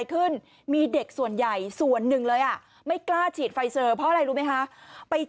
ก็ใช่ไง